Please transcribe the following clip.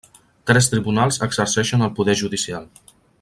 Tres tribunals exerceixen el poder judicial.